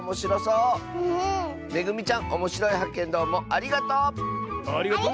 ありがとう！